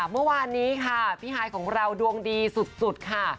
เมื่อวานนี้ค่ะพี่ฮายของเราดวงดีสุดค่ะ